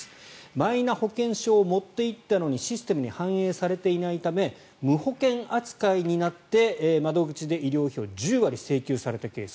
マイナ保険証を持っていったのにシステムに反映されていないため無保険扱いになって窓口で医療費を１０割請求されたケース。